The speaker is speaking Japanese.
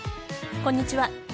こんにちは。